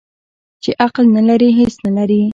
ـ چې عقل نه لري هېڅ نه لري.